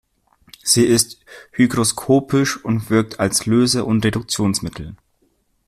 Sie ist hygroskopisch und wirkt als Löse- und Reduktionsmittel.